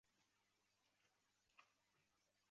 纽芬兰犬。